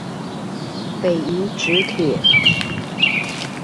北宜直鐵